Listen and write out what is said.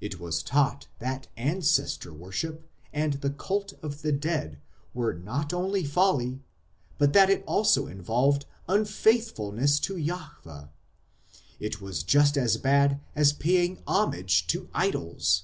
It was taught that Ancestor worship and the Cult of the Dead was not only folly, but that it also involved unfaithfulness to Jahwe ; it was just as bad as paying homage to idols.